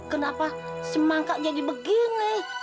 kenapa semangka jadi begini